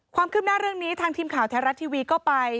ความคืบหน้าเรื่องนี้ทางทีมข่าวแท้รัฐทีวีก็ไป